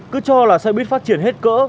cứ cho là xe buýt phát triển hết cỡ